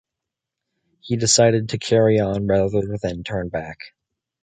He decided to carry on, rather than turn back.